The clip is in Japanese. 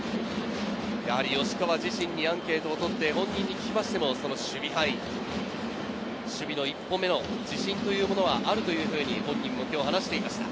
吉川自身でアンケートをとって聞きましても守備範囲、守備の１歩目の自信というものはあるというふうに本人も今日話していました。